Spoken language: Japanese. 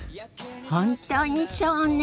本当にそうね！